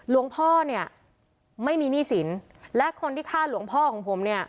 ล่วงพ่อไม่มีนี่สินและคนที่ฆ่าล่วงพ่อกับผม